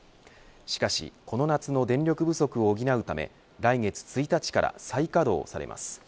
しかしこの夏の電力不足を補うため来月１日から再稼働されます。